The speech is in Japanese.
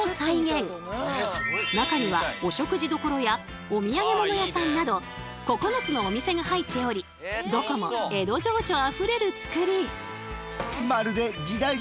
中にはお食事どころやお土産物屋さんなど９つのお店が入っておりどこも江戸情緒あふれるつくり。